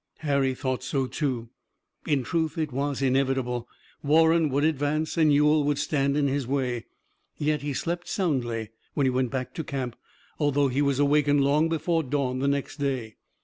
Harry thought so too. In truth, it was inevitable. Warren would advance and Ewell would stand in his way. Yet he slept soundly when he went back to camp, although he was awakened long before dawn the next day.